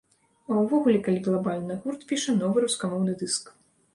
А ўвогуле, калі глабальна, гурт піша новы рускамоўны дыск.